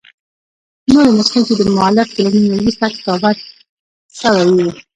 نوري نسخې، چي دمؤلف تر مړیني وروسته کتابت سوي يي.